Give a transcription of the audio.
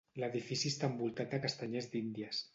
L'edifici està envoltat de castanyers d'Índies.